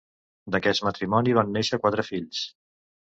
D'aquest matrimoni van néixer quatre fills.